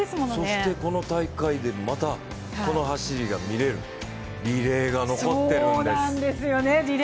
そしてこの大会で、またこの走りが見られる、リレーが残ってるんです。